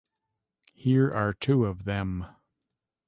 Here are two of them.